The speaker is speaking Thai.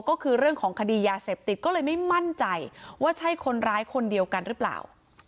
ก็คือเรื่องของคดียาเสพติดก็เลยไม่มั่นใจว่าใช่คนร้ายคนเดียวกันหรือเปล่า